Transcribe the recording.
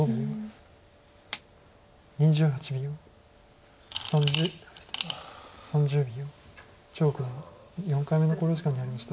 張九段４回目の考慮時間に入りました。